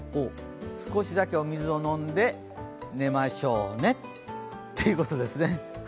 少しだけお水を飲んで寝ましょうねということですね。